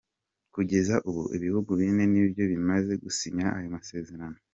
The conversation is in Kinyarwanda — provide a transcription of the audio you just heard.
Kugeza ubu ibihugu bine nibyo bimaze gusinya ayo masezerano.